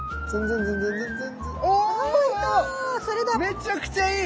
めちゃくちゃいい！